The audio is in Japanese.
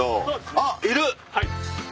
あっいる。